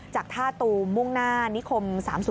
จากท่าตูมมุ่งหน้านิคม๓๐